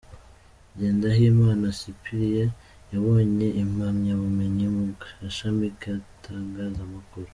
Ngendahimana Cyprien: yabonye impamyabumenyi mu gashami k’Itangazamakuru.